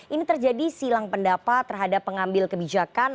ini terjadi silang pendapat terhadap pengambil kebijakan